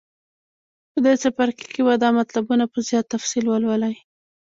په دې څپرکي کې به دا مطلبونه په زیات تفصیل ولولئ.